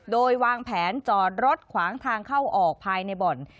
โดยวางแผนจอดรถขวางทางเข้าออกภายในบ่อน